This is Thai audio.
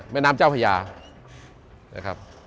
แม่น้ำเจ้าพญานะครับ